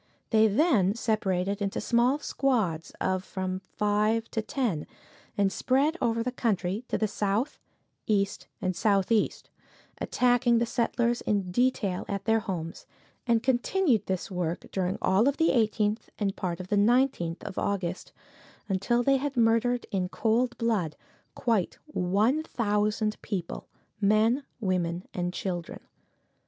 They then separated into small squads of from five to ten and spread over the country to the south, east and southeast, attacking the settlers in detail at their homes and continued this work during all of the 18th and part of the 19th of August, until they had murdered in cold blood quite one thousand people men, women and children.